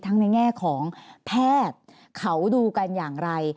ในแง่ของแพทย์เขาดูกันอย่างไร